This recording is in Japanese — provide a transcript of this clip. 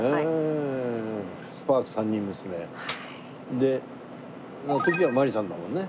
でその時はまりさんだもんね。